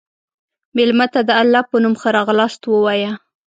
مېلمه ته د الله په نوم ښه راغلاست ووایه.